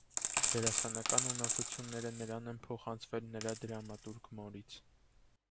Դերասանական ունակությունները նրան են փոխանցվել նրա դրամատուրգ մորից։